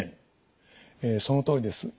そのとおりです。